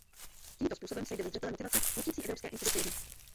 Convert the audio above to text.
Tímto způsobem sejde ze zřetele motivace nutící evropské instituce jednat.